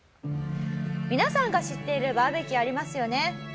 皆さんが知っているバーベキューありますよね。